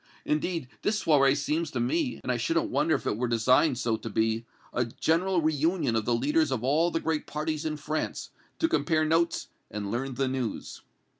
Indeed, this soirée seems to me, and I shouldn't wonder if it were designed so to be, a general reunion of the leaders of all the great parties in France, to compare notes and learn the news."